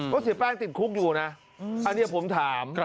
เสียแป้งติดคุกอยู่นะอันนี้ผมถาม